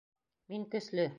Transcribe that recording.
Мин көслө!